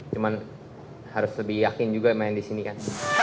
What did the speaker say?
cuman harus lebih yakin juga main disini kan